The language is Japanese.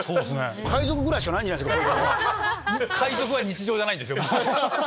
海賊ぐらいしかないんじゃないですか。